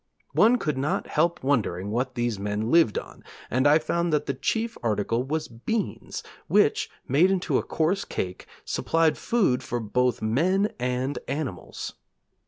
One could not help wondering what these men lived on, and I found that the chief article was beans, which, made into a coarse cake, supplied food for both men and animals.